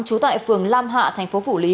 chú tại phường lam hạ thành phố phủ lý